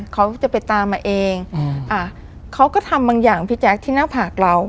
เขาจะไปตามมาเองอืมอ่าเขาก็ทำบางอย่างพี่แจ๊คที่หน้าผากเรา